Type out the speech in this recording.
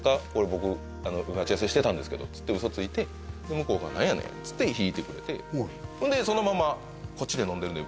「僕待ち合わせしてたんですけど」って嘘ついて向こうが「何やねん」っつって引いてくれてほんでそのまま「こっちで飲んでるんで」